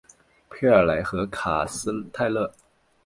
佩尔莱和卡斯泰莱。